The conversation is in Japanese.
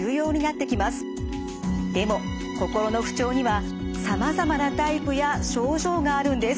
でも心の不調にはさまざまなタイプや症状があるんです。